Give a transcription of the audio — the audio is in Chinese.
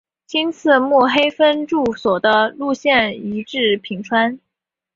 今次目黑分驻所的路线移至品川。